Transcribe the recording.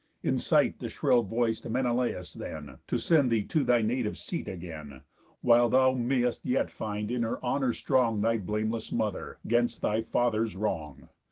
Incite the shrill voic'd Menelaus then, To send thee to thy native seat again, While thou mayst yet find in her honour strong Thy blameless mother, 'gainst thy fathers' wrong.